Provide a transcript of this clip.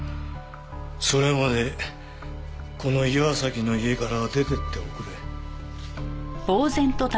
それまでこの岩崎の家からは出てっておくれ。